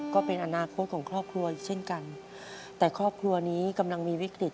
ก็เป็นอนาคตของครอบครัวอีกเช่นกันแต่ครอบครัวนี้กำลังมีวิกฤต